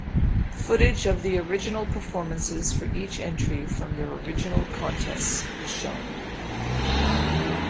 Footage of the original performances for each entry from their original Contests was shown.